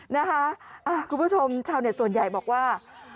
คุณผู้ชมชาวเน็ตส่วนใหญ่บอกว่า